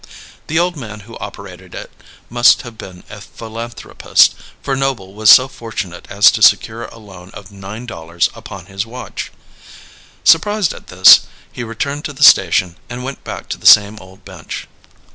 The old man who operated it must have been a philanthropist, for Noble was so fortunate as to secure a loan of nine dollars upon his watch. Surprised at this, he returned to the station, and went back to the same old bench.